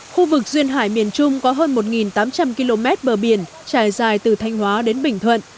khu vực duyên hải miền trung có hơn một tám trăm linh km bờ biển trải dài từ thanh hóa đến bình thuận